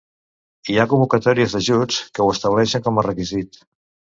Hi ha convocatòries d'ajuts que ho estableixen com a requisit.